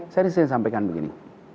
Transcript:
saya disini sampaikan begini